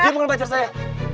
dia bukan pacar saya